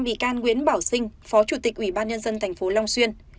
bị can nguyễn bảo sinh phó chủ tịch ủy ban nhân dân tp long xuyên